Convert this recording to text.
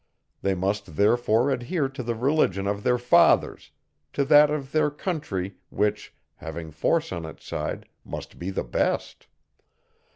They must therefore adhere to the religion of their fathers, to that of their country, which, having force on its side, must be the best.